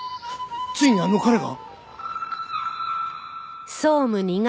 ついにあの彼が？